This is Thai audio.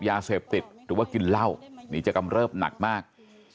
ก็แค่แค่นั้นแล้ว